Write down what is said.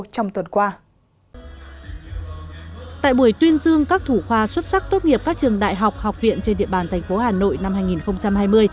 tốt nghiệp các trường đại học học viện trên địa bàn thành phố hà nội năm hai nghìn hai mươi